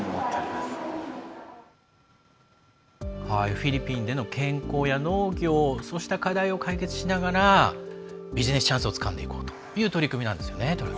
フィリピンでの健康や農業そうした課題を解決しながらビジネスチャンスをつかんでいこうという取り組みなんですよね。